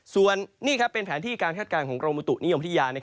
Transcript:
ส่วนนี่เป็นแผนที่แค้นการครองมตุนิยมไพทียาน